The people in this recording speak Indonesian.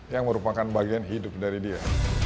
yang merupakan bagian hidup dari dia